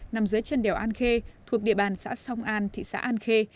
nằm dưới chân đèo an khê thuộc địa bàn xã song an thị xã an khê